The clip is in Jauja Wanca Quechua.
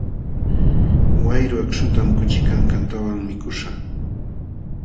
Wayru akśhutam kuchi kankantawan mikuśhaq.